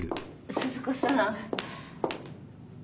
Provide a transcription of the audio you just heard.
鈴子さん。